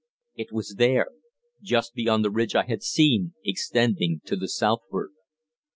It was there, just beyond the ridge I had seen extending to the southward. X.